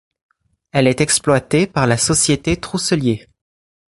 Elle est exploitée par la Société Trousselier.